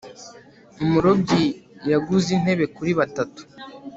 umurobyi yaguze intebe kuri batatu